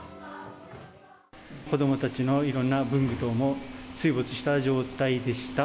子どもたちのいろんな文具等も水没した状態でした。